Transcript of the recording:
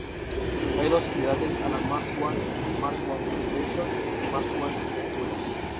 Hay dos entidades a la Mars One, Mars One Foundation y Mars One Ventures.